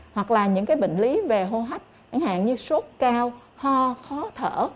hoặc là những cái bệnh lý về hô hách chẳng hạn như sốt cao ho khó thở